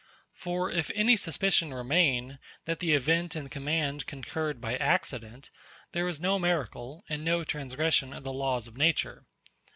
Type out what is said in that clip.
For if any suspicion remain, that the event and command concurred by accident, there is no miracle and no transgression of the laws of nature.